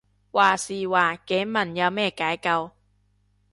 話時話頸紋有咩解救